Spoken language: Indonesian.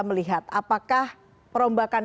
melihat apakah perombakan